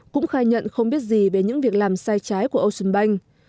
cũng khai nhận không biết gì về những việc làm sai trái của ocean bank